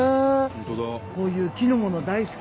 こういう木のもの大好き。